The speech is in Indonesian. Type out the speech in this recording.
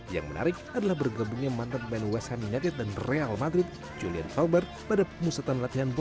yang menarik adalah bergabungnya mantan pemain west ham united dan real madrid zulian fobech pada musatan latihan borneo fc